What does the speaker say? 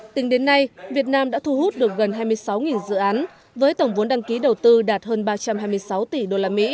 tính đến nay việt nam đã thu hút được gần hai mươi sáu dự án với tổng vốn đăng ký đầu tư đạt hơn ba trăm hai mươi sáu tỷ usd